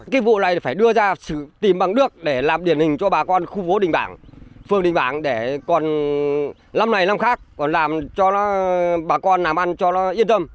cái vụ này phải đưa ra tìm bằng nước để làm điển hình cho bà con khu phố đình bảng phương đình bảng để còn năm này năm khác còn làm cho nó bà con làm ăn cho nó yên tâm